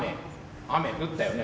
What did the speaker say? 雨降ったよね